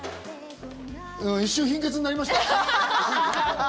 一瞬、貧血になりました？